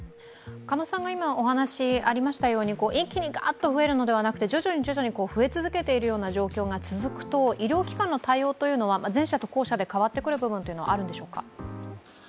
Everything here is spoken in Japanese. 今お話にありましたように、一気にガーッと増えるのではなくて徐々に増え続けているような状況が続くと、医療機関の対応は前者と後者で変わってくる部分はあるんでしょうか？